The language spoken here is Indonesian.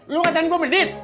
lo katain gua medit